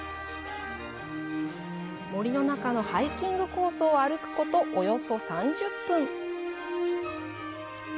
森の中のハイキングコースを歩くこと、およそ３０分。